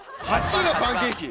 ８位がパンケーキ。